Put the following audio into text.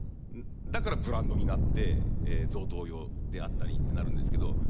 だからブランドになって贈答用であったりってなるんですけど。